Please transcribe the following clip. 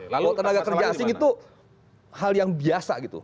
lalu tenaga kerja asing itu hal yang biasa gitu